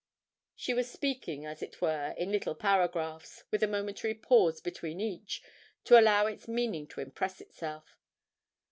She was speaking, as it were, in little paragraphs, with a momentary pause between each, to allow its meaning to impress itself.